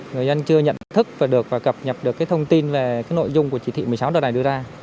người dân chưa nhận thức và được và cập nhập được cái thông tin về cái nội dung của chỉ thị một mươi sáu đó này đưa ra